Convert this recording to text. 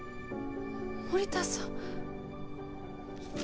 森田さん！